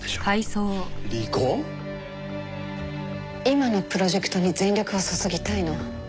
今のプロジェクトに全力を注ぎたいの。